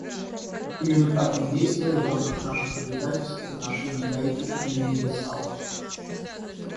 Именно так мы действовали в рамках наших обязательств в отношении Гаити и Гвинеи-Бисау.